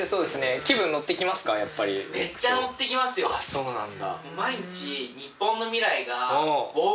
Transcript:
そうなんだ。